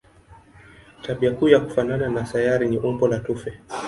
Tabia kuu ya kufanana na sayari ni umbo la tufe.